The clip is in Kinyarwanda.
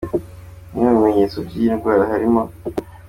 Bimwe mu bimenyetso by’iyi ndwara harimo:.